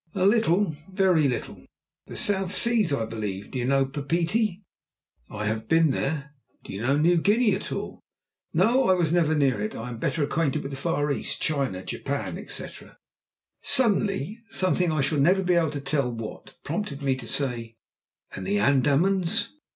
"A little very little." "The South Seas, I believe. D'you know Papeete?" "I have been there." "D'you know New Guinea at all?" "No. I was never near it. I am better acquainted with the Far East China, Japan, etc." Suddenly something, I shall never be able to tell what, prompted me to say: "And the Andamans?"